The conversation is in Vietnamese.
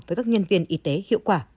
với các nhân viên y tế hiệu quả